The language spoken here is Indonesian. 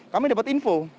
kami dapat info